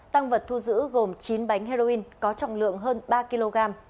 tăng vật thu giữ gồm chín bánh heroin có trọng lượng hơn ba kg